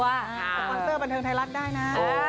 บานเทอร์บรรเทิงไทยรักได้นะ